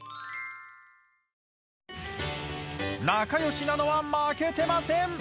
仲良しなのは負けてません